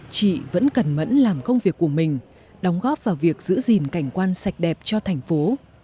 chị vẫn cẩn mẫn làm công việc của mình đóng góp vào việc giữ gìn cảnh quan sạch đẹp cho thành phố